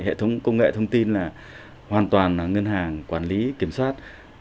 hệ thống công nghệ thông tin là hoàn toàn là ngân hàng quản lý kiểm soát